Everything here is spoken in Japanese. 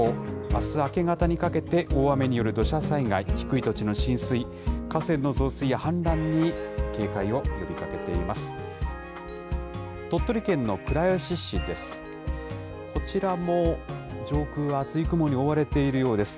あす明け方にかけて、大雨による土砂災害、低い土地の浸水、河川の増水や氾濫に警戒を呼びかけています。